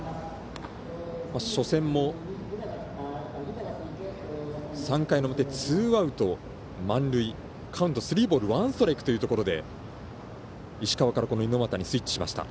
初戦も３回表、ツーアウト、満塁カウントスリーボールワンストライクというところで石川から猪俣にスイッチしました。